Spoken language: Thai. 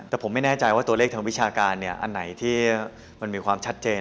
แต่ผมไม่แน่ใจว่าตัวเลขทางวิชาการอันไหนที่มันมีความชัดเจน